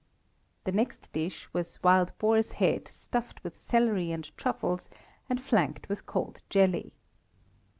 The next dish was wild boar's head stuffed with celery and truffles, and flanked with cold jelly.